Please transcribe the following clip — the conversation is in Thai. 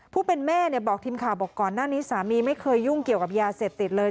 ผู้เป็นแม่บอกทีมข่าวบอกก่อนหน้านี้สามีไม่เคยยุ่งเกี่ยวกับยาเสพติดเลย